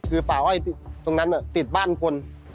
คือป่าอ้อยตรงนั้นติดบ้านคน